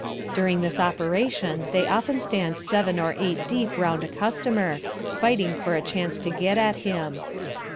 During this operation they often stand seven or eight deep round a customer, fighting for a chance to get at him.